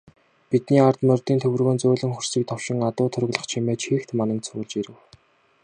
Бидний ард морьдын төвөргөөн зөөлөн хөрсийг товшиж, адуу тургилах чимээ чийгт мананг цуулж ирэв.